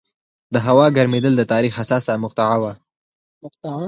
د هوا ګرمېدل د تاریخ حساسه مقطعه وه.